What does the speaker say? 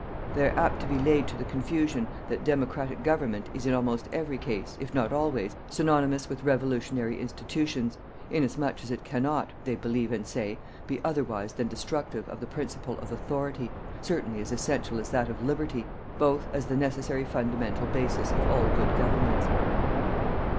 They are apt to be laid to the confusion that democratic government is in almost every case, if not always, synonymous of revolutionary institutions, in as much as it cannot, they believe and say, be otherwise than destructive of the principle of "Authority," certainly as essential as that of "Liberty," both as the necessary fundamental basis of all good governments.